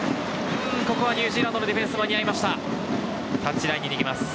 ニュージーランドのディフェンス、間に合いました。